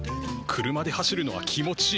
車で走るのは気持ちいい。